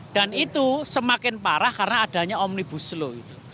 dan itu semakin parah karena adanya omnibus slow itu